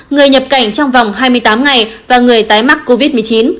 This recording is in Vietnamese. người nhập cảnh trong vòng hai mươi tám ngày và người tái mắc covid một mươi chín